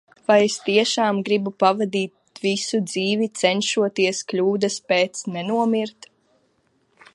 Vai es tiešām gribu pavadīt visu dzīvi, cenšoties kļūdas pēc nenomirt?